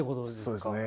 そうですね。